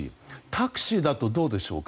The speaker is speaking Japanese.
タクシーだとどうでしょうか。